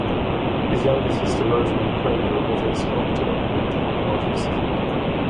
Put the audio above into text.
His younger sister Rosamond Praeger was a sculptor and botanic artist.